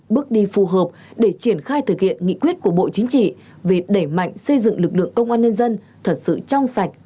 bước đi phù hợp để triển khai thực hiện nghị quyết của bộ chính trị về đẩy mạnh xây dựng lực lượng công an nhân dân thật sự trong sạch